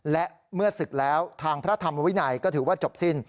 และเมื่อศึกแล้วทางพระธรรมวินัยก็ถือว่าจบสิ้น